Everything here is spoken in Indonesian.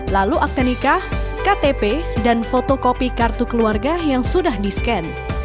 lalu akte nikah ktp dan fotokopi kartu keluarga yang sudah di scan